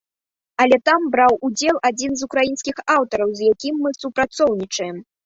Але там браў удзел адзін з украінскіх аўтараў, з якім мы супрацоўнічаем.